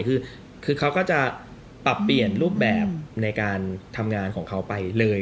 คือเขาก็จะปรับเปลี่ยนรูปแบบในการทำงานของเขาไปเลย